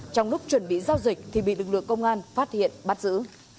trong lúc chuẩn bị giao dịch thì bị lực lượng công an phát hiện bắt giữ